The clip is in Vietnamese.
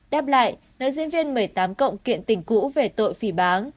đáp lại nữ diễn viên một mươi tám cộng kiện tỉnh cũ về tội phỉ bán